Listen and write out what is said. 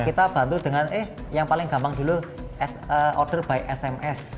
kita bantu dengan eh yang paling gampang dulu order by sms